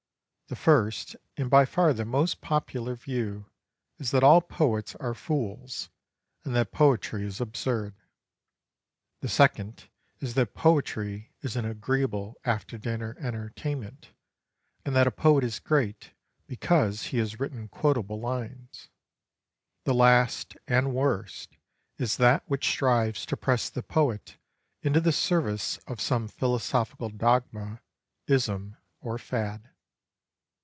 The first, and by far the most popular, view is that all poets are fools and that poetry is absurd. The second is that poetry is an agreeable after dinner entertainment, and that a poet is great because he has written quotable lines. The last and worst is that which strives to press the poet into the service of some philosophical dogma, ism, or fad.